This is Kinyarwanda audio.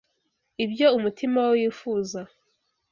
ibyo umutima we wifuza,